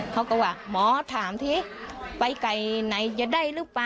เขาก็ว่าหมอถามสิไปไกลไหนจะได้หรือเปล่า